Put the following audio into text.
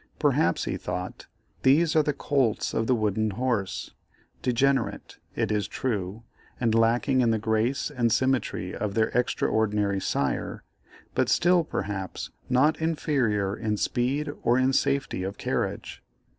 Perhaps, he thought, these are the colts of the wooden horse, degenerate, it is true, and lacking in the grace and symmetry of their extraordinary sire, but still perhaps not inferior in speed or in safety of carriage.